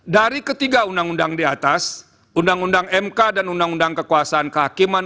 dari ketiga undang undang di atas undang undang mk dan undang undang kekuasaan kehakiman